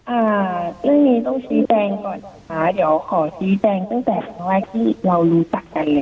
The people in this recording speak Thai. อ่าเรื่องนี้ต้องชี้แจงก่อนนะคะเดี๋ยวขอชี้แจงตั้งแต่ครั้งแรกที่เรารู้จักกันเลย